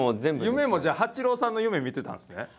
夢もじゃあ八郎さんの夢見てたんですね？